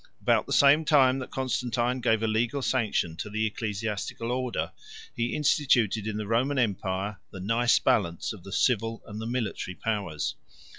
About the same time that Constantine gave a legal sanction to the ecclesiastical order, he instituted in the Roman empire the nice balance of the civil and the military powers.